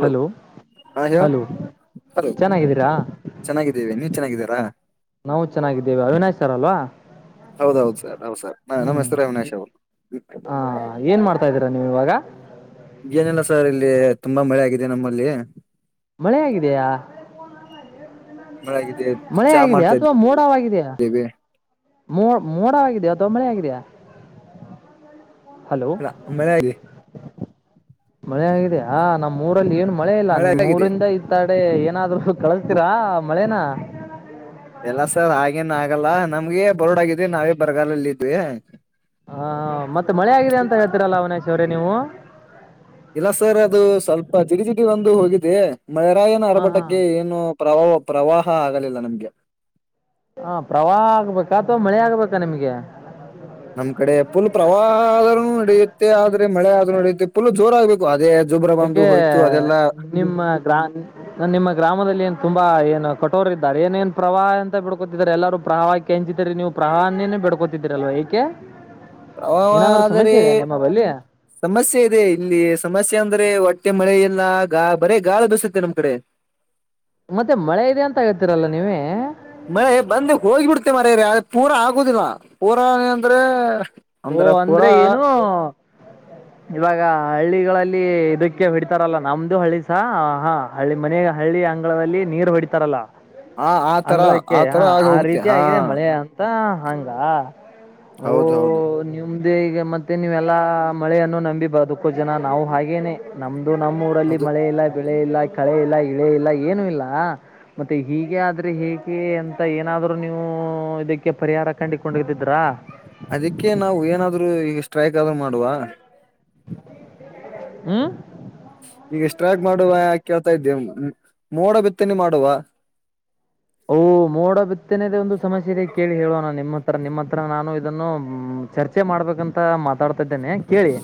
hello ಹ hello ಯೋಲ ಚೆನ್ನಾಗಿದ್ದೀರಾ ಚೆನ್ನಾಗಿದ್ದೀವೆ ನೀವ ಚೆನ್ನಾಗಿದ್ದೀಾರಾ ನಾವು ಚೆನ್ನಾಗಿದ್ದೇವೆ ಅವಿನಾಶ್ ಸರ್ಲ್ವಾ ಹೌದೌದು ಸರ್ ಹೌದು ಸರ್ ನ ನಮಸ್ತೆ ಅವಿನಾಷ್ ಅವರು ಹ ಏನ್ ಮಾಡ್ತಾ ಇದ್ದೀರಾ ನೀವು ಇವಾಗ ಏನೆಲ್ಲ ಸರ್ ಇಲ್ಲಿ ತುಂಬಾ ಮಳೆ ಆಗಿದೆ ನಮ್ಮಲ್ಲಿ ಮಳೆೆಯಗಿದೆಯಾ ಮಳೆ ಆಗಿದೆ ಮಳೆ ಚಾ ಆಗಿದೆಯಾ ಮಾಡ್ತಾ ಅಥವಾ ಮೋಡಾವಾಗಿದೆಯಾ ಇದ್ದೇವಿ ಮೋ ಮೋಡವಗಿದ್ಯಾ ತೊಂಬಳಿ ಆಗಿದ್ಯಾ ಅಲ್ಲ ಮನ ಆಗ್ಲಿ ಮಳೆ ಆಗಿದೆ ಆಾ ನಮ್ಮ್ ಮೂಊರಲ್ಲಿ ಏನು ಮಳೆ ಇಲ್ಲ ನಿಮ್ ಮೂರಿಂದ ಇತ್ತ ಅಡೆ ಏನಾದ್ರು ಕಳಸ್ತೀರಾ ಮಳೇನ ಎಲ್ಲ ಸರ್ ಹಾಗೇನ್ ಆಗಲ್ಲ ನಮ್ಗೆ ಬರ್ಡ್ಗಿದ್ವಿ ನಾವೇ ಬರಗಾಲಲ್ಲ ಇದ್ವಿ ಹ ಇವರೆ ನೀವು ಇಲ್ಲ ಸರ್ ಅದು ಸ್ವಲ್ಪ ಜಿಡಿ ಜಿಡಿ ಒಂದು ಹೋಗಿದೆ ಮಳರಾಯನ ಹಾ ಹಾ ಆರ್ಭಟಕ್ಕೆ ಏನು ಪ್ರವಾಹ ಪ್ರವಾಹ ಆಗಲಿಲ್ಲ ನಮ್ಗೆ ಹ ಪ್ರವಾಹ ಆಗ್ಬೇಕಾ ಅಥವಾ ಮಳೆ ಆಗ್ಬೇಕಾ ನಿಮ್ಗೆ ನಮ್ ಕಡೆ ಫುಲ್ ಪ್ರವಾಹ ಆದ್ರೂ ನಡೆಯುತ್ತೆ ಆದ್ರೆ ಮಳೆ ಆದ್ರೂ ನಡೆಯುತ್ತೆ ಪುಲ್ ಜೋರ ಆಗ್ಬೇಕು ಅದೇ ಜೊಬ್ರ ಯಾಕೆ ಬಂದು ಹೋಯ್ತು ಅದೆಲ್ಲಾ ನಿಮ್ಮ ಗ್ರಾ ನಿಮ್ಮ ಗ್ರಾಮದಲ್ಲಿ ಏನ್ ತುಂಬಾ ಏನು ಕಟೋರ ಇದಿದ್ದಾರೆ ಏನೇನ್ ಪ್ರವಾಹ ಅಂತ ಬಿಡ್ಕೊತಿದ್ದಾರೆ ಎಲ್ಲರೂ ಪ್ರವಾಹಕ್ಕೆ ಹೆಂಚಿದೀರಿ ನೀವು ಪ್ರವಾಹೇನೆ ಬಿಡ್ಕೊತಿದ್ದೀರಿಲ್ವಾ ಕೆ ಪ್ರವಾಹ ಆದರೆ ಸಮಸ್ಯೆ ಇದೆ ಇಲ್ಲಿ ಸಮಸ್ಯೆ ಅಂದ್ರೆ ಒಟ್ಟ ಮತ್ತೆ ಮಳೆ ಎಲ್ಲ ಗಾ ಬರೇ ಗಾಳ ಬಸುತ್ತೆ ನಮ್ ಕಡೆ ಮತ್ತೆ ಮಳೆ ಇದೆ ಅಂತ ಆಗತ್ತೀರಲ್ಲ ನೀವೇ ಮೆ ಬಂದ ಹೋಗಿ ಬಿಡ್ತೆೇ ಮರ ರೀ ಅ ಪೂರಾ ಆಗುದಿಲ್ಲ ಪೂರಾ ಅಂದ್ರೆ ಓ ಅಂದ್ರ ಅಂದ್ರೆ ಪೂರಾ ಏನು ಇವಾಗ ಹಳ್ಳಿಗಳಲ್ಲಿ ಇದಕ್ಕೆ ಹಡ್ತಾರಲ್ಲ ನಮ್ದು ಹಳ್ಳಿ ಸ ಹಾ ಹಳ್ಳಿ ಮನಾಗ ಹಳ್ಳಿ ಹಳ್ಳಿ ಅಂಗಳದಲ್ಲಿ ನೀರು ಹೊಡಿತಾರಲ್ಲ ಆ ಆತರ ಅಂಗ್ಗಳಕ್ಕೆ ಆತರ ಹ ಆಗ ಆ ಹೋಗುತ್ತೆ ರೀತಿ ಹಾ ಆಗಿದೆ ಮಳೆ ಅಂತ ಹಂಗ ಹೌದ ಹೌದು ನಿಮ್ದೇ ಈಗ ಮತ್ತೆ ನೀವೆಲ್ಲಾ ಮಳೆಯನ್ನು ನಂಬಿ ಬದುಕ್ಕು ಜನ ನಾವು ಹಾಗೇನೆ ನಮ್ದ ಅದು ನಮ್ಮ ಊರಲ್ಲಿ ಅದು ಮಳೆ ಇಲ್ಲ ಬೆಳೆ ಇಲ್ಲ ಕಳೆ ಇಲ್ಲ ಇಳೆ ಇಲ್ಲ ಏನು ಇಲ್ಲ ಮತ್ತೆ ಹೀಗೆ ಆದ್ರೆ ಹೇಗೆ ಎಂತ ಏನಾದ್ರರು ನೀವು ಇದಕ್ಕೆ ಪರಿಹಾರ ಕಂಡುಕೊಂಡೋಗದಿದ್ರಾ ಆದ್ರೂ ಈಗ ಸ್ಟ್ರೈಕ್ ಆದೂ ಮಾಡುವ ಹ್ಮ ಈಗ ಸ್ಟ್ರೈಕ್ ಮಾಡುವ ಯಾ ಕೇಳ್ತಾ ಇದ್ದೇ ಮೋಡ ಬಿತ್ತನೆ ಮಾಡುವ ಓ ಮೋಡ ಬಿತ್ತನೆದೇ ಒಂದು ಸಮಸ್ಯೆ ಇದೆ ಕೇಳಿ ಹೇಳೋಣ ನಿಮ್ಮತ್ ರ ನಿಮ್ಮ ಹತ್ರ ನಾನು ಇದನ್ನು ಚರ್ಚೆ ಮಾಡ್ಬೇಕಂತ ಮಾತಾಡ್ತಾ ಇದ್ದೇನೆ ಕೇಳಿ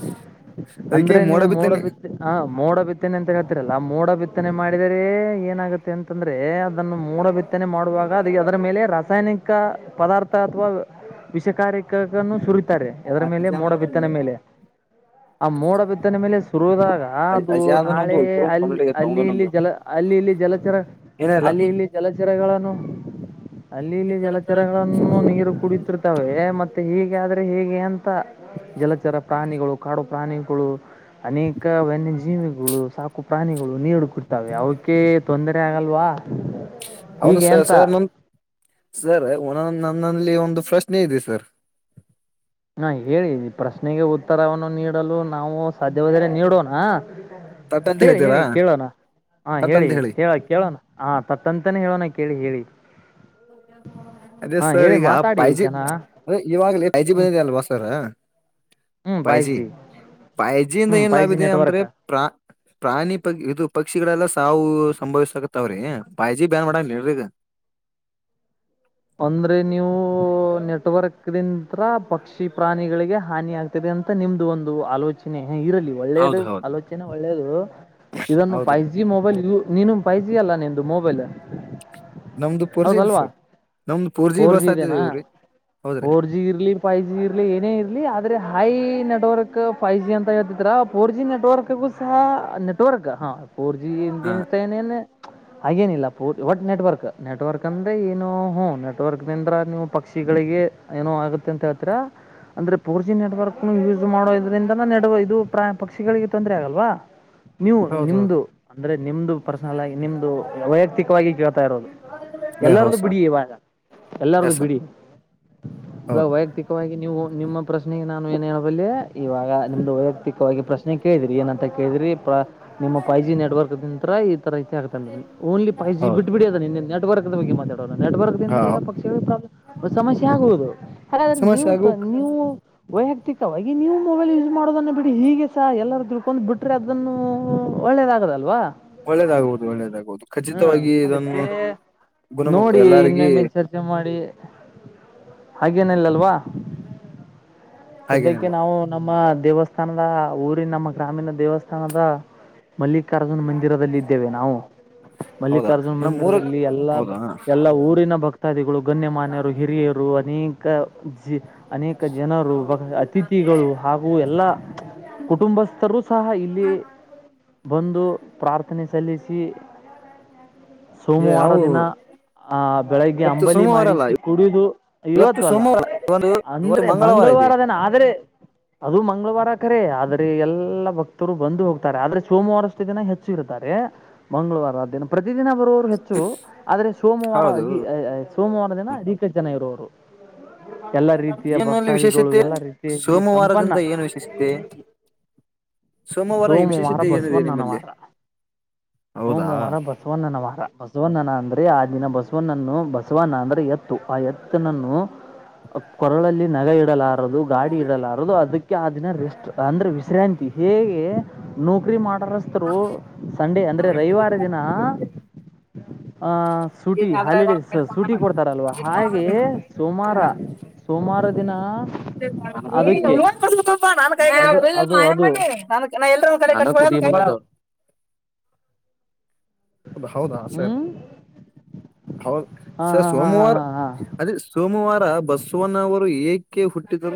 ಅದಕ್ಕೆ ಅಂದ್ರೆ ಮೋಡ ನೀವು ಬಿತ್ತನೆ ಮೋಡಬಿದೆ ಹ ಮೋಡ ಬಿತ್ತನೆ ಅಂತ ಹೇಳ್ತಿರಲ್ಲ ಮೋಡ ಬಿತ್ತನೆ ಮಾಡಿದರೆ ಏನಾಗುತ್ತೆ ಅಂತಂದ್ರೆ ಅದನ್ನು ಮೋಡ ಬಿತ್ತ ಚತನೆ ಮಾಡುವಾಗ ಅದ ಅದರ ಮೇಲೆ ರಾಸಾಯನಿಕ ಪದಾರ್ಥ ಅಥವಾ ವಿಷ ಕಾರಕನು ಸುರಿತಾರೆ ಎದರ ಮೇಲೆ ಮೋಡ ಅಜಾಮ್ದು ಬಿತ್ತನೆ ಮೇಲೆ ಆ ಮೋಡ ಬಿದ್ದನೆ ಮೇಲೆ ಶುರಿದಾಗ ಅದು ನಾಳೆ ಅಲ್ಲಿ ಅಲ್ಲಿ ಇಲ್ಲಿ ಜಲ ಅಲ್ಲಿ ಇಲ್ಲಿ ಜಲಚರ ಏನಿಲ್ಲ ಅಲ್ಲಿ ಇಲ್ಲಿ ಜಲಚ ಅಲ್ಲಿ ಇಲ್ಲಿ ಜಲಚರಗಳನ್ನು ನೀರು ಕುಡತಿರ್ತವೆ ಮತ್ತೆ ಈಗ ಹೀಗೆ ಆದರೆ ಹೇಗೆ ಅಂತ ಜಲಚರ ಪ್ರಾಣಿಗಳು ಕಾಡು ಪ್ರಾಣಿಗಳು ಅನೇಕ ವನ್ಯಜೀವಿಗಳು ಸಾಕು ಪ್ರಾಣಿಗಳು ನೀಡ ಕೊಡ್ತಾವೆ ಅವಕ ತೊಂದರೆ ಆಗಲ್ವಾ ಹಾ ಸ ಸರ್ ಒೊ ಸರ್ ಒಂದೊ ನನ್ನಲ್ಲಿ ಒಂದು ಪ್ರಶ್ನೆ ಇದೆ ಸರ್ ಹಾ ಹೇಳಿ ಪ್ರಶ್ನೆಗೆ ಉತ್ತರವನ್ನು ನೀಡಲು ನಾವು ಸಾಧ್ಯವಾದರೆ ನೀಡೋಣ ತಟ್ ಅಂತ ಹೇಳೇರಿ ಹೇಳ್ತೀರಾ ಹೇಳಏನ ಕೇಳೋಣ ಹ ತಟ್ ಅಂತ ಹೇಳಿ ಹೇಳ ಕೇಳೋಣ ಹ ತತ್ತಂತಾನೇ ಹೇಳೋಣ ಕೇಳಿ ಹೇಳಿ ಅದೇ ಹಾ ಸರ್ ಹೇಳಿ ಈಗ ಮಾತಾಡಿ ಪೈಜಿ ಜನ ಇವಾಗ್ಲ ಪೈಜಿ ಬಂದಿದೆ ಅಲ್ವಾ ಸರ್ ಹ್ಮ್ ಫೈ ಪೈಜಿ ಜಿ ಪಾಯಜಿಯಿಂದ ಹ್ಮ್ ಏನ್ ಫೈ ಲಾಭ ಜಿ ಇದೆ ಅಂದ್ರೆ ನೆಟ್ವರ್ಕ್ ಪ್ರಾ ಪ್ರಾಣಿ ಪ ಇದು ಪಕ್ಷಿಗಳೆಲ್ಲಾ ಸಾವು ಸಂಭವಿಸಕತ್ತಾವ್ರಿ ಬಾಯ್ಜಿ ಬ್ಯಾನ್ ಮಾಡಂಗಡ್ರಿಗ ಅಂದ್ರೆ ನೀವು ನೆಟ್ವರ್ಕ್ ದಿಂದ ಹತ್ರ ಪಕ್ಷಿ ಪ್ರಾಣಿಗಳಿಗೆ ಹಾನಿ ಆಗ್ತದೆ ಅಂತ ನಿಮ್ದು ಒಂದು ಆಲೋಚನೆ ಹ ಇರಲಿ ಒಳ್ಳೇದು ಹೌದು ಹೌದು ಆಲೋಚನೆ ಒಳ್ಳೇದು ಇದನ್ನು ಹೌದ್ರಿ ಫೈವ್ ಜಿ ಮೊಬೈಲ್ ಯ ನೀನು ಫೈವ ಜಿ ಅಲ್ಲ ನಿದು ಮೊಬೈಲ್ ನಮ್ದು ಪೋರ್ಜಿ ಹೌದಲ್ವಾ ಸರ್ ನಮ್ದು ಪುರ್ಜಿ ಫೋರ್ ಬಸ್ ಜಿ ಆತದ ಇದೆನಾ ಇವ್ರೀ ಫೋರ್ ಜಿ ಇರ್ಲಿ ಫೈವ್ ಜಿ ಇರ್ಲಿ ಏನೇ ಇರ್ಲಿ ಆದ್ರೆ ಹಾಯ ನ ನೆಟ್ವರ್ಕ್ ಫೈವ್ ಜಿ ಅಂತ ಹೇಳ್ತಿದರ ಫೋರ್ ಜಿ ನೆಟ್ವರ್ಕ್ಗೂ ಸಹ ನೆಟ್ವರ್ಕ್ ಹಾ ಫೋರ್ ಜಿ ಹಾ ಹಿಂದನ್ತ ನ ಹಾಗೇನಿಲ್ಲ ಪೂ ಒಟ್ ನೆಟ್ವರ್ಕ್ ನೆಟ್ವರ್ಕ್ ಅಂದ್ರೆ ಏನು ಹ್ಞ ನೆಟ್ವರ್ಕ್ ನಿಿಂದ್ರ ನೀವು ಪಕ್ಷಿಗಳಿಗೆ ಏನೋ ಆಗುತ್ತೆ ಅಂತ ಹೇಳ್ತರ ಅಂದ್ರೆ ಪೂರ್ಜಿ ನೆಟ್ವರ್ಕ್ನು ಯೂಸ್ ಮಾಡೋದ್ರಿಂದನ ನೆಡುವ ಇದು ಪ್ರ ಪಕ್ಷಿಗಳಿಗೆ ತೊಂದರೆ ಆಗಲ್ವಾ ನೀವು ಹೌದೌದು ನಿಮ್ದು ಅಂದ್ರೆ ನಿಮ್ದು ಪರ್ಸನಲ್ ಆಗಿ ನಿಮ್ದು ವೈಯಕ್ತಿಕವಾಗಿ ಕೇಳ್ತಾ ಇರೋದು ಹೌದು ಎಲ್ಲಾರ್ದು ಬಿಡಿ ಸರ್ ಇವಾಗ ಎಲ್ಲಾರ್ದು ಎಸ್ ಸರ್ ಬಿಡಿ ಈ ಹೌದು ವೈಯಕ್ತಿಕವಾಗಿ ನೀವು ನಿಮ್ಮ ಪ್ರಶ್ನೆಗೆ ನಾನು ಏನ್ ಹೇಳಬಲ್ಲಿ ಇವಾಗ ನಿಮ್ದು ವೈಯಕ್ತಿಕವಾಗಿ ಪ್ರಶ್ನೆ ಕೇಳಿದ್ರಿ ಏನಂತ ಕೇಳಿದ್ರಿ ನಿಮ್ಮ ಫೈ ಜಿ ನೆಟ್ವರ್ಕ್ ನಿಂತತ್ರ ರ ಆಗ್ತ ಓನ್ಲಿ ೈ ಜಿ ಹೌದು ಬಿಟ್ಬ ಬಿಡಿ ಅದನ್ನ ನೆಟ್ರ್ಕ್ ಬಗ್ ಮಾತಾಡ ನ ಹಾ ಈಗ ಪಕ್ಷಿಗಳ ಪ್ರಬ್ ಸಮಸ್ಯೆ ಆಗುವುದು ಹಾಗಾದ್ರೆ ಸಮಸ್ಯೆ ನೀವು ಆಗು ನೀವು ವೈಯಕ್ತಿಕವಾಗಿ ನೀವು ಮೊಬೈಲ್ ಯೂಸ್ ಮಾಡೋದನ್ನು ಬಿಡಿ ಹೀಗೆ ಸ ಎಲ್ಲರೂ ತಿಳ್ಕೊಂಡ್ ಬಿಟ್ರೆ ಅದನ್ನು ಒಳ್ಳೇದಾಗದಲ್ವಾ ಒಳ್ಳೇದಾಗುವುದು ಒಳ್ಳೇದಾಗುವುದು ಖಚಿತವಾಗಿ ಇದನ್ನು ಅದಕ್ಕೆ ಗುಣಮುಖ ನೋಡಿ ಎಲ್ಲರಿಗ ಇನ್ನೊಮ್ಮೆ ಚರ್ಚೆ ಮಾಡಿ ಹಾಗೇನಲ್ಲಲ್ವಾ ಸದ್ಯಕ್ಕೆ ಹಾಗೇನಿಲ್ಲ ನಾವು ನಮ್ಮ ದೇವಸ್ಥಾನದ ಊರಿ ನಮ್ಮ ಗ್ರಾಮೀಣ ದೇವಸ್ಥಾನದ ಮಲ್ಲಿಕಾರ್ಜುನ್ ಮಂದಿರದಲ್ಲಿ ಇದ್ದೇವೆ ನಾವು ಹೌದಾ ಮಲ್ಲಿಕಾರ್ಜುನ್ ನಮ್ ಮೂರ ಮಂದಿರದಲ್ಲಿ ಎಲ್ಲಾ ಹೌದಾ ಎಲ್ಲಾ ಊರಿನ ಭಕ್ ಭಕ್ತಾದಿಗಳು ಗಣ್ಯಮನ್ಯರು ಹಿರಿಯರು ಅನೇಕ ಜಿ ಅನೇಕ ಜನರು ಬ ಅತಿಥಿಗಳು ಹಾಗೂ ಎಲ್ಲ ಕುಟುಂಬಸ್ಥರು ಸಹ ಇಲ್ಲಿ ಬಂದು ಪ್ರಾರ್ಥನೆ ಸಲ್ಲಿಸಿ ಸೋಮವಾರ ನಾವು ದಿನ ಆ ಇವತ್ತು ಅಂಬಲಿ ಸೋಮವಾರ ಅಲ್ಲ ಮಾಡಿಸಿ ಕುಡುದು ಇವತ್ತು ಅಲ್ಲ ಸೋಮವಾರ ಒಂದು ಇವತ್ತು ಅಂದ್ರೆ ಮಂಗಳವಾರ ಇದೆ ಮಂಗಳವಾರದ ಆದ್ರೆ ಅದು ಮಂಗಳವಾರ ಕರೆ ಆದ್ರೆ ಎಲ್ಲಾ ಭಕ್ತರು ಬಂದು ಹೋಗ್ತಾರೆ ಆದ್ರೆ ಸೋಮವಾರಷ್ಟು ದಿನ ಹೆಚ್ಚು ಇರುತ್ತಾರೆ ಮಂಗಳವಾರ ಆ ದಿನ ಪ್ರತಿ ಪ್ರತಿದಿನ ಬರುವವರು ಹೆಚ್ಚು ಆದ್ರೆ ಸೋಮವಾರ ಹೌದು ಅ ಸೋಮವಾರ ದಿನ ಅಧಿಕ ಜನ ನರೂರು ಎಲ್ಲಾ ರೀತಿಯ ಏನಲ್ಲಿ ಭಕ್ತಾದಿಗಳು ವಿಶೇಷತೆ ಎಲ್ಲಾ ರೀತಿಯ ಇಲ್ಲಿ ಸಂಪನ್ನ ಸೋಮವಾರದಿಂದ ಏನು ವಿಶೇಷತೆ ಈ ಸೋಮವಾರ ವಿಶೇಷತೆ ಏನಿದೆ ನಿಮ್ಮಲ್ಲಿ ಬಸವಣನವಾರ ಹೌದಾ ಸೋಮವಾರ ಬಸವಣ್ಣನ ವಾರ ಬಸವಣ್ಣನ ಅಂದ್ರೆ ಆ ದಿನ ಬಸವಣನ್ನು ಬಸವನ ಅಂದ್ರೆ ಎತ್ತು ಆ ಎತ್ತನನ್ನು ಕೊರಳಲ್ಲಿ ನಗ ಇಡಲಾರದು ಗಾಡಿ ಇಡಲಾರದು ಅದಕ್ಕೆ ಆ ದಿನ ರೆಸ್ಟ್ ಅಂದ್ರೆ ವಿಶ್ರಾಂತಿ ಹೇಗೆ ನೌಕರಿ ಮಾಡ ಸ್ತರು ಸಂಡೆ ಅಂದ್ರೆ ರವಿವಾರ ದಿನ ಆಹ ಸೂಟಿ ಹಾಲಿಡೇ ಸೂಟಿ ಕೊಡ್ತಾರಲ್ವಾ ಹಾಗೆ ಸೋಮಾರ ಸೋಮಾರ ದಿನ ಅದಕ್ಕೆ ಲ್ಪ ಅದು ಅದು ನಯ ಅದು ಮಾಡಿ ನ ನಾ ಎಲ್ಲರೊಂದ ಕಡೆ ಹ ಹೌದ ಹೌದಾ ಹ್ಞೂ ಸರ್ ಹೌ ಹಾಂ ಸ ಹಾಂ ಹಾಂ ಹಾಂ ಸೋಮವಾರ ಹಾಂ ಹಾಂ ಅದೇ ಸೋಮವಾರ ಬಸವನವರು ಏ ಕವು ುಟ್ಟು ತರ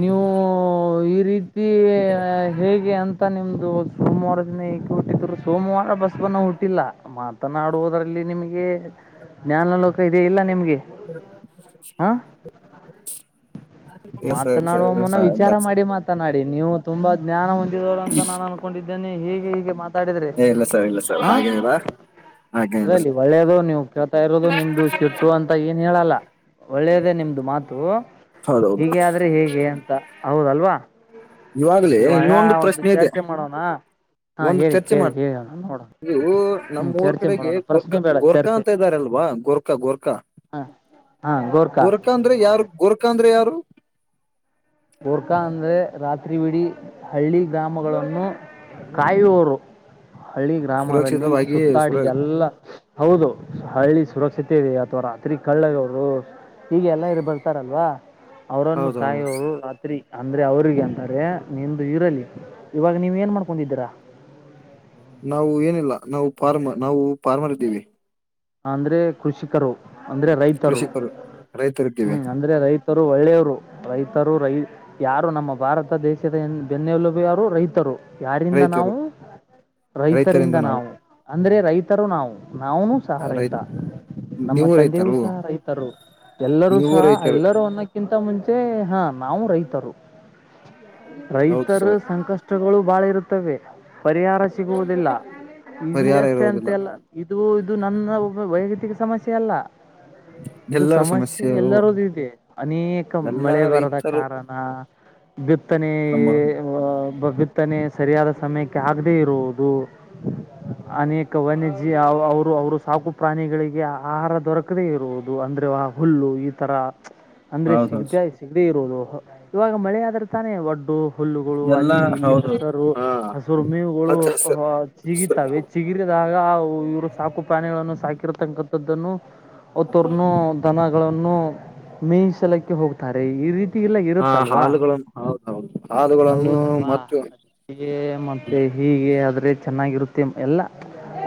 ನೀವು ಈ ರೀತಿ ಹೇಗೆ ಅಂತ ಮ ನಿಮ್ದು ಸೋಮವಾರ ದಿನ ಏಕೆ ಹುಟ್ಟಿದ್ರು ಸೋಮವಾರ ಬಸ್ ಬನ್ನ ಹುಟ್ಟಿಲ್ಲ ಮಾತನಾಡುವುದ್ರಲ್ಲಿ ನಿಮಗೆ ಜ್ಞಾನ ಲೋಕ ಇದೆ ಇಲ್ಲ ನಿಮ್ಗೆ ಹ್ಮ ಮಾತನಾಡುವ ಮುನ ವಿಚಾರ ಮಾಡಿ ಮಾತನಾಡಿ ನೀವು ತುಂಬಾ ಜ್ಞಾನ ಹೊಂದಿದವರು ಅಂತ ನಾನು ಅನ್ಕೊಂಡಿದ್ದೇನೆ ಹೀಗೆ ಹೀಗೆತ್ತ ಏ ಇಲ್ಲ ಸರ್ ಇಲ್ಲ ಸರ್ ಹಾಗಿದ್ದರಾ ಇರಲಿ ಒಳ್ಳೇದು ನೀವು ಕೇಳ್ತಾ ಇರೋದು ನಿಮ್ದು ಸಿಟ್ಟು ಅಂತ ಏನ್ ಹೇಳಲ್ಲ ಒಳ್ಳೇದೇ ನಿಮ್ದು ಮಾತು ಹೌದೌದು ಹೀಗೆ ಆದ್ರೆ ಹೇಗೆ ಅಂತ ಹೌದಲ್ವಾ ಇವಾಗ್ಲೇ ಇವಾಗ ಇನ್ನೊಂದು ಒಂದು ಪ್ರಶ್ನೆ ಇದೆ ಚರ್ಚೆ ಮಾಡೋಣ ಹಾ ಒಂದು ಹೇಳಿ ಚರ್ಚೆ ಕೇಳಿ ಮಾಡ್ ಹೇಳೋಣ ನೋಡೋಣ ನೀವು ಹ್ಮ್ ನಮ್ಮೂರ್ ಚರ್ಚೆ ಕಡೆಗ್ ಗೆ ಮಾಡೋಣ ಪ್ರಶ್ನೆ ಗೋರ್ಕಾ ಬೇಡ ಗೋರ್ಕಾ ಚರ್ಚೆ ಅಂತ ಇದ್ದಾರಲ್ವಾ ಗೋರ್ಕಾ ಗೋರ್ಕಾ ಹಾ ಗೋರ್ಖಾ ಗುರ್ಕ ಅಂದ್ರೆ ಯಾರು ಗುರ್ಕಾ ಅಂದ್ರೆ ಯಾರು ಗುರ್ಕಾ ಅಂದ್ರೆ ರಾತ್ರಿವಿಡಿ ಹಳ್ಳಿ ಗ್ರಾಮಗಳನ್ನು ಕಾಯುವೊರು ಹಳ್ಳಿ ಗ್ರಾಮದಲ್ಲಿ ಸುರಕ್ಷಿತವಾಗಿ ಸುತ್ತಾಡಿ ಸುರ ಎಲ್ಲ ಹೌದು ಹಳ್ಳಿ ಸುರಕ್ಷತೆ ಇದೆ ಅಥವಾ ರಾತ್ರಿ ಕಳ್ಳಗವ್ರು ಹೀಗೆ ಎಲ್ಲ ಇರು ಬರ್ತಾರಲ್ವಾ ಅವರನ್ನು ಹೌದೌದು ಕಾಯುವು ದ್ರಿ ಅಂದ್ರೆ ಅವ್ರಿಗೆ ಅಂತಾರೆ ನಿಂದು ಇರಲಿ ಇವಾಗ ನೀವ್ ಏನ್ ಮಾಡ್ಕೊಂಡಿದ್ದೀರಾ ನಾವು ಏನಿಲ್ಲ ನಾವು ಫಾರ್ಮ ನಾವು ಫಾರ್ಮರ್ ಇದ್ದೀವಿ ಅಂದ್ರೆ ಕೃಷಿಕರು ಅಂದ್ರೆ ರೈತರು ಕೃಷಿಕರು ರೈತರಿದ್ದೇವೆ ಹ್ಮ್ ಅಂದ್ರೆ ರೈತ್ ತರು ಒಳ್ಳೆಯವರು ರೈತರು ರೈ ಯಾರು ನಮ್ಮ ಭಾರತ ದೇಶದ ಹೆನ್ ಬೆನ್ನೆಲುಬು ಯಾರು ರೈತರು ಯಾರಿಂದ ರೈತರು ನಾವು ರೈತರಿಂದ ನಾವು ಅಂದ್ರೆ ರೈತರು ನಾವು ನಾವು ಸಹ ರೈ ರೈತ ನಮ್ಮ ನೀವು ತಂದೆಯೂ ರೈತರು ಸಹ ರೈತರು ಎಲ್ಲರೂ ನೀವು ಸಹ ರೈತರು ಎಲ್ಲರೂ ಅನ್ನಕ್ಕಿಂ ತ ಮುಂಚೆ ಹಾ ನಾವು ರೈತರು ಹೌದು ರೈತರ ಸರ್ ಸಂಕಷ್ಟಗಳು ಬಾಳ ಇರುತ್ತವೆ ಪರಿಹಾರ ಸಿಗುವುದಿಲ್ಲ ಪರಿಹಾರ ಇಲ್ಲಷ್ಟೇ ಇರುವುದಿಲ್ಲ ಅಂತಲ್ಲ ಇದು ಇದು ನನ್ನ ಒಬ್ಬ ವೈಯಕ್ತಿಕ ಸಮಸ್ಯೆ ಅಲ್ಲ ಇದು ಎಲ್ಲರ ಸಮಸ್ಯೆ ಸಮಸ್ಯೆಯು ಎಲ್ಲರದು ಇದೆ ಅನೇಕ ಎಲ್ಲಾ ಮಳೆ ಬರದ ರೈತರು ಕಾರಣ ಬಿತ್ತನೇ ನಮ್ಮ ಬಗುತ್ತನೆ ಸರಿಯಾದ ಸಮಯಕ್ಕೆ ಆಗದೆೇ ಇರುವುದು ಅನೇಕ ವಾಣಿಜ್ಯ ಅವ್ ಅವು ಅವ್ರು ಸಾಕು ಪ್ರಾಣಿಗಳಿಗೆ ಆಹಾರ ದೊರಕದೇ ಇರುವುದು ಅಂದ್ರೆ ಹುಲ್ಲು ಈ ತರ ಅಂದ್ರೆ ಹೌದೌದು ಸಿಗದೆ ಸಿಗದೇ ಇರೋದು ಇವಾಗ ಮಳೆ ಆದ್ರೆ ತಾನೇ ಒಡ್ಡು ಹುಲ್ಲುಗಳು ಎಲ್ಲಾ ಅಲ್ಲಿ ಇಲ್ಲಿ ಹೌದು ಹಸರು ಹಾ ಹಸುರು ಮೇವುಗಳು ಹಚ್ಚ ಹಸ ಸಿಗಿತಾವೆ ಚಿಗಿರದ ದಾಗ ಅವ್ ಇವ್ರು ಪ್ರಾಣಿಗಳನ್ನು ಸಾಕಿರತಕ್ಕಥದ್ದನ್ನು [unintelligible] ದನ ಗಳನ್ನು ಮೇಯಿಸಲಿಕ್ಕೆ ಹೋಗ್ತಾರೆ ಈ ರೀತ್ ಹಾ ಹಾಲುಗಳನ್ನು ಹೌದ್ ಹೌದ್ ಹಾಲುಗಳನ್ನು ಮತ್ತು ಹೀಗೆ ಮತ್ತೆ ಹೀಗೆ ಆದ್ರ್ ದ್ರೆ ಚೆನ್ನಾಗಿರುತ್ತೆ ಎಲ್ಲ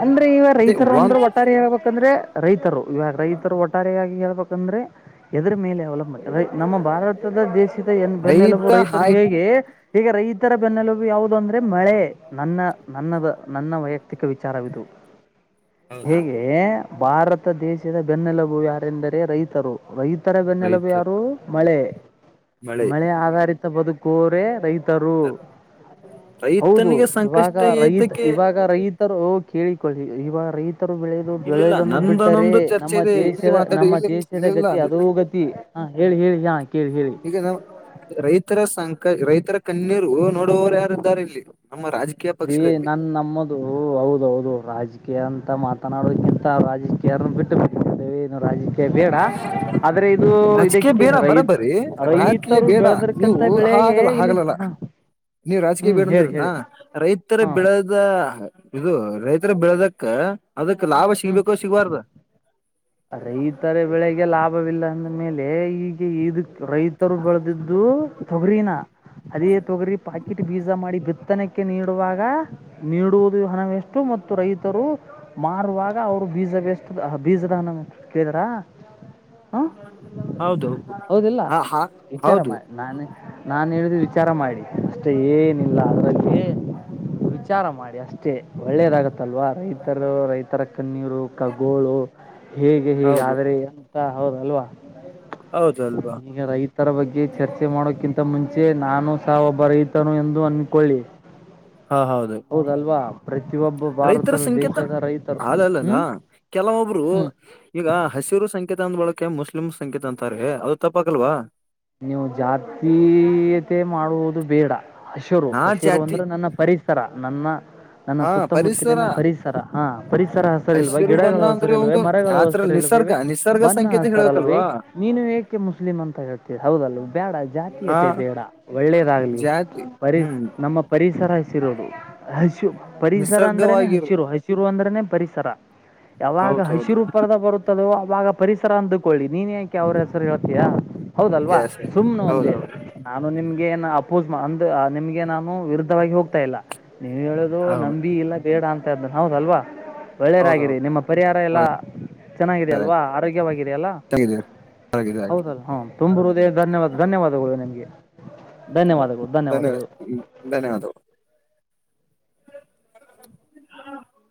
ಅಂದ್ರೆ ಇವ ಅದೇ ರೈತರು ಅಂದ್ರೆ ಒಂದ್ ಒಟ್ಟಾರೆ ಹೇಳ್ಬೇಕಂದ್ರೆ ರೈತರು ಇವಾಗ ರೈತರು ಒಟ್ಟಾರೆಯಾಗಿ ಹೇಳ್ಬೇಕಂದ್ರೆ ಎದರ ಮೇಲೆ [unintelligible] ನಮ್ಮ ಭಾರತದ ದೇಶದ ಎನ್ ಬೆನ್ನೆಲುಬು ರೈತ ರೈತರು ಹಾಕಿ ಹೇಗೆ ಈಗ ರೈತರ ಬೆನ್ನೆಲುಬು ಯಾವುದು ಅಂದ್ರೆ ಮಳೆ ನನ್ನ ನನ್ನದ ನನ್ನ ವೈಯಕ್ತಿಕ ವಿಚಾರವಿದು [inaudible] ಹೌದೌದು ಹೇಗೆ ಭಾರತ ದೇಶದ ಬೆನ್ನೆಲುಬು ಯಾರೆಂದರೆ ರೈತರು ರೈತ್ ತರ ಬೆನ್ನೆಲಬು ರೈತ ಯಾರು ಮಳೆ ಮಳೆ ಆಧಾರಿತ ಬದುಕೋರೆ ರೈತ್ ತರು ಹೌದು ರೈತನಿಗೆ ಇವಾಗ ಸಂಕಷ್ಟ ರೈತ್ ಏತಕ್ಕೆ ಇವಾಗ ರೈತ್ ರೈತರು ಕೇಳಿಕೊಳ್ಳಿ ಇವಾ ರೈತ್ ತರು ಬೆಳೆದು ಇಲ್ಲಿಲ್ಲ ಬೆಳೆಯುದನ್ನು ಬಿಟ್ಟರೆ ನಂದನೊಂದು ಚರ್ಚೆ ನಮ್ಮ ಇದೆ ಇಲ್ಲಿ ದೇಶದ ಮಾತಾಡಿ ನಮ್ಮ ಇಲ್ಲಿ ದೇಶದ ಇಲ್ಲಿಲ್ಲ ಗತಿ ಅದೋ ಗತಿ ಹ ಹೇಳಿ ಹೇಳಿ [unintelligible] ಈಗ ನಾವ್ ರೈತರ ಸಂಕ ರೈತರ ಕಣ್ಣೀರು ನೋಡುವವರು ಯಾರ್ ಇದ್ದಾರೆ ಇಲ್ಲಿ ನಮ್ಮ ರಾಜಕೀಯ [unintelligible] ಪಕ್ಷದಲ್ಲಿ ನನ್ ನಮ್ಮದು ಹೌದೌದು ರಾಜಕೀಯ ಅಂತ ಮಾತನಾಡೋ [unintelligible] ಕೇರ ಬಿಟ್ಟು ರಾಜಿ ಬೇಡ ಆದ್ರೆ ಇದು ರಾಜಕೀಯ ಇದಕ್ಕೆ ಬೇಡ ರೈತ ಬರಬರಿ ರಾಜಕೀಯ ರೈತರು ಬೇಡ ಬೆಳೆದರ್ಕಂತ ನೀವು ಬೆಳೆ ಳೆಗೆ ಹಾಗಲ್ಲ ಇಲ್ಲಿ ಹಾಗಲ್ಲಲ್ಲ ಹಾ ನೀವ್ ರಾಜಕೀಯ ಹ್ಮ್ ಬೇಡ ಹೇಳಿ ಅಂದ್ರಲ್ಲ ಹೇಳಿ ರೈತ್ ತರ ಹಾಂ ಬೆಳೆದ ಇದು ರೈತರ ಬೆಳೆದಕ್ಕ ಅದಕ್ ಲಾಭ ಹ್ಮ್ ಸಿಗ್ಬೇಕೋ ಸಿಗಬಾರ್ದ ರೈತರ ಬೆಳೆಗೆ ಲಾಭವಿಲ್ಲ ಅಂದ ಮೇಲೆ ಈಗೆ ಇದಕ್ ರೈತರು ಬೆಳೆದಿದ್ದು ತೊಗರಿನ ಅದೇ ತೊಗರಿ ಪಾಕಿಟ್ ಬೀಜಾ ಮಾಡಿ ಬಿ ಕೆತ್ತನಕ್ಕೆ ನೀಡುವಾಗ ನೀಡುವುದು ಹಣವೆಷ್ಟು ಮತ್ತು ರೈತರು ಮಾರುವಾಗ ಅವರು ಬೀಜ ಬಸ್ತದ ಬೀಜದ ಕೇಳಿದ್ರಾ ಹಾ ಹೌದೌದು ಹೌದಿಲ್ಲ ಹ ಹಾ ವಿಚಾರಮ್ಮ ಹೌದು ನಾನು ನಾನು ಹೇಳಿದ ವಿಚಾರ ಮಾಡಿ ಅಷ್ಟೇ ಏನಿಲ್ಲ ಅದರಲ್ಲಿ ವಿಚಾರ ಮಾಡಿ ಅಷ್ಟೇ ಒಳ್ಳೇದಾಗತ್ತಲ್ವಾ ರೈತರು ರೈತರ ಕ್ಕ ನೀರು ಕಗೋಳ ಹೇಗೆ ಹೀಗೆ ಹೌದು ಆದ್ರೆ ಅನ್ಂತ ಹೌದಲ್ವಾ ಹೌದು ಅಲ್ವಾ ಈಗ ರೈತರ ಬಗ್ಗೆ ಚರ್ಚೆ ಮಾಡೋಕಿಂತ ಮುಂಚೆ ನಾನು ಸಹ ಒಬ್ಬ ರೈತ ನು ಎಂದು ಅಂದಿಕೊಳ್ಳಿ ಹಾ ಹೌದು ರೈತರ ಭಾರತದ ಸಂಕೇತ ದೇಶದ ರೈತರು ಅಲ್ಲ ಅಲ್ಲ ಹ್ಮ್ ಕೆಲವೊಬ್ರು ಹ್ಮ್ ಈಗ ಹಸಿರು ಸಂಕೇತ ಅಂದ್ ಬಳಕೆ ಮುಸ್ಲಿಮ್ ಸಂಕೇತ ಅಂತಾರೀ ಅದು ತಪ್ಪಕಲ್ವಾ ನೀವು ಜಾತೀಯತೆ ಮಾಡುವುದು ಬೇಡ ಹಸೂರು ನಾ ಹಸಿರು ಜಾತಿ ಅಂದ್ರೆ ನನ್ನ ಪರಿಸರ ನನ್ನ ನನ್ನ ಹಾ ಪರಿಸರ ಸುತ್ತಮುತ್ತಲಿನ ಪರಿಸರ ಹಾ ಪರಿಸರ ಹಸಿರಿಲ್ವೆ ಹಸಿರು ಬಣ್ಣ ಗಿಡಗಳು ಅಂದ್ರೆ ಹಸರಿಲ್ವೆೇ ಒಂದು ಮರಗಳ ನ್ಯಾಚುರಲ್ ಹಸಿರಿ ನಿಸರ್ಗ ಇಲ್ವೆ ೇ ನಿಸರ್ಗ ಬಣ್ಣ ಸಂಕೇತ ಹತಾರ ಅಲ್ವೇ ಹೇಳ್ಬೇಕಲ್ವಾ ಮೀನು ಏಕೆ ಮುಸ್ಲಿಂ ಅಂತ ಹೇಳ್ತೀವಿ ಹೌದಲ್ ಬೇಡ ಹಾ ಜಾತೀಯತೆ ಬೇಡ ಒಳ್ಳೇದಾಗ್ಲಿ ಜಾತಿ ಪರಿ ಹ್ಮ್ ನಮ್ಮ ಪರಿಸರ ಹಸಿರುಡು ಹಸಿರು ಪರಿಸರ ಅಂದ್ರೇನೆ ನಿಸರ್ಗವಾಗಿರು ಹಸಿರು ಹಸಿರು ಅಂದ್ರನೆ ಪರಿಸರ ಯಾವಾಗ ಹೌದೌದು ಹಸಿರು ಉ ಪರದ ಬರುತ್ತದೋ ಅವಾಗ ಪರಿಸರ ಅಂದುಕೊಳ್ಳಿ ನೀನ್ ಯಾಕೆ ಅವ್ರ ಹೆಸರು ಹೇಳ್ತೀಯಾ ಹೌದಲ್ವಾ ಎಸ್ ಸುಮ್ನೆ ಒಂದೇ ಹೌದೌದು ನಾನು ನಿಮ್ಗೆ ಅಪೋಸ್ ಅಂದ ನಿಮ್ಗೆ ನಾನು ವಿರುದ್ಧವಾಗಿ ಹೋಗ್ತಾ ಇಲ್ಲ ನೀವ ಹೇಳೋುದು ನಂಬಿ ಇಲ್ಲ ಬೇಡ ಅಂತ ಇದ್ದ ಹೌದಲ್ವಾ ಹೌದೌದು ಒಳ್ಳೇದಾಗಿರಿ ನಿಮ್ಮ ಪರಿಹಾರ ಎಲ್ಲ ಚೆನ್ನಿದ ಅಲ್ವಾ ಆರೋಗ್ಯವಾಗಿದೆಯಲ್ಲ ಒಳ್ಳೆಗಿದೆ ಹಾಗೆ ಹೌದಲ್ಲ ಹಾ ತುಂಬರುದೇ ಧನ್ಯವಾದ ಧನ್ಯವಾದಗಳು ನಿನ್ಗೆ ಧನ್ಯವಾದಗಳು ಧನ್ಯ ಧನ್ಯವಾದಗಳು ಧನ್ಯವಾದ